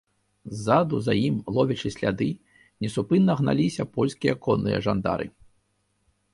Ззаду за ім, ловячы сляды, несупынна гналіся польскія конныя жандары.